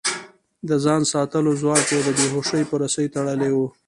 د ځان ساتلو ځواک يې د بې هوشۍ په رسۍ تړلی و.